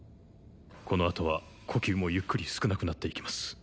このあとは呼吸もゆっくり少なくなっていきます